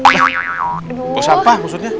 bawa sampah maksudnya